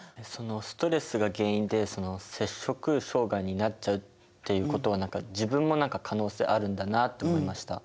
ストレスが原因で摂食障害になっちゃうっていうことは自分も何か可能性あるんだなって思いました。